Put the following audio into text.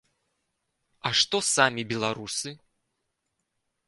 А што самі беларусы?